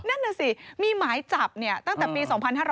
นั่นแหละสิมีหมาให้จับเนี่ยตั้งแต่ปี๒๕๔๕